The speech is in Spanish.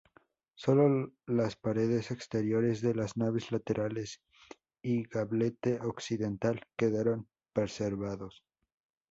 Sólo las paredes exteriores de las naves laterales y gablete occidental quedaron preservados.